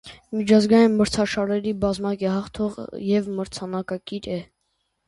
Միջազգային մրցաշարերի բազմակի հաղթող և մրցանակակիր է։